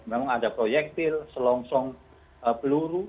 memang ada proyektil selongsong peluru